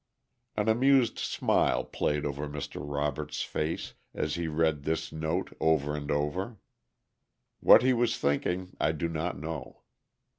An amused smile played over Mr. Robert's face as he read this note over and over. What he was thinking I do not know.